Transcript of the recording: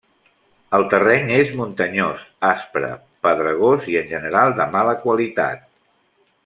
El terreny és muntanyós, aspre, pedregós i en general de mala qualitat.